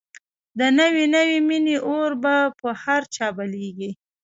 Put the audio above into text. د نوې نوې مینې اور به په هر چا بلېږي